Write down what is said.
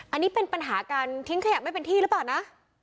อันนี้เป็นปัญหาการทิ้งขยะไม่เป็นที่หรือเปล่านะ